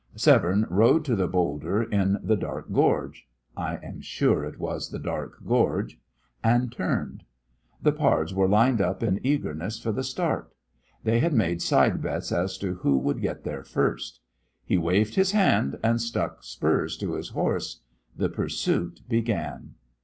Severne rode to the bowlder in the dark gorge I am sure it was the dark gorge and turned. The pards were lined up in eagerness for the start. They had made side bets as to who would get there first. He waved his hand, and struck spurs to his horse. The pursuit began.